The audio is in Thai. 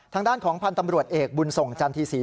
ทางด้านของพันธ์ตำรวจเอกบุญส่งจันทีศรี